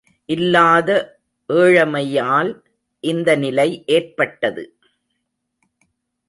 இல்லாத ஏழமையால் இந்த நிலை ஏற்பட்டது.